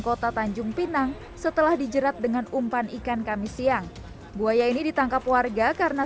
kota tanjung pinang setelah dijerat dengan umpan ikan kami siang buaya ini ditangkap warga karena